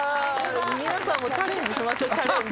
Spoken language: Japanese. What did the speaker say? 皆さんもチャレンジしましょうチャレンジ。